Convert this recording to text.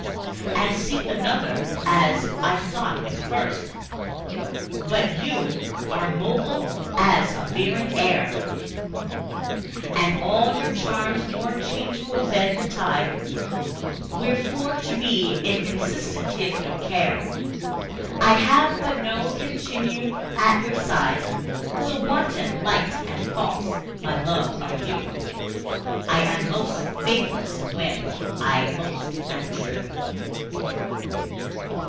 And seek another as I sought you first. But you are mobile as the veering air, And all your charms more changeful than the tide, Wherefore to be inconstant is no care: I have but to continue at your side. So wanton, light and false, my love, are you, I am most faithless when I most am true.